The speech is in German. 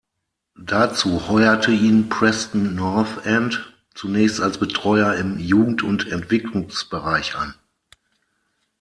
Dazu heuerte ihn Preston North End zunächst als Betreuter im Jugend- und Entwicklungsbereich an.